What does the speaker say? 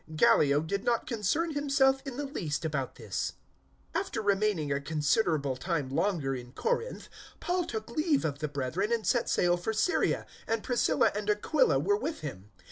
Gallio did not concern himself in the least about this. 018:018 After remaining a considerable time longer in Corinth, Paul took leave of the brethren and set sail for Syria; and Priscilla and Aquila were with him.